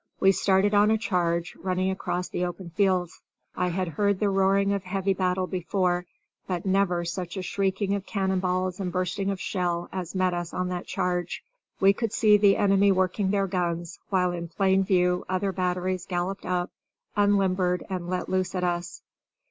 We started on a charge, running across the open fields. I had heard the roaring of heavy battle before, but never such a shrieking of cannonballs and bursting of shell as met us on that charge. We could see the enemy working their guns, while in plain view other batteries galloped up, unlimbered, and let loose at us.